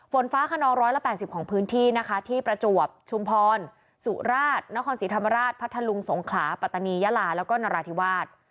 ฝนฟ้าขนอง๑๘๐ของพื้นที่นะคะที่ประจวบชุมพรสุราชนครศรีธรรมราชพัทธลุงสงขลาปัตตานียาลาแล้วก็นราธิวาส